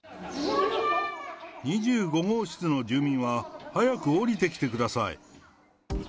２５号室の住民は早く下りてきてください。